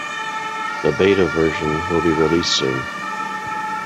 The Beta version will be released soon.